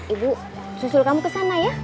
ibu susul kamu kesana ya